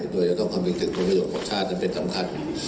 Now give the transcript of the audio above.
โดยจะต้องคำนึงถึงผลประโยชน์ของชาตินั้นเป็นสำคัญ